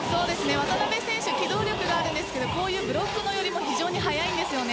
渡邊選手、機動力があるんですがこういうブロックの寄りも非常に速いんです。